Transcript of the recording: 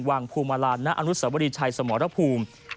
ไปวางภูมิมารานณอนุสวรีชายสมรภูมิ